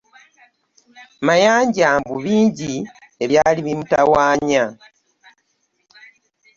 Mayanja mbu bingi ebyali bimutawaanya.